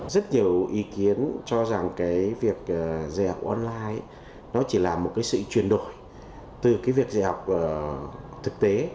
rất nhiều ý kiến cho rằng cái việc dạy học online nó chỉ là một cái sự chuyển đổi từ cái việc dạy học thực tế